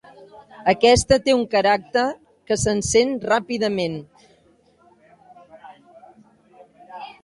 Aquesta té un caràcter que s'encén ràpidament.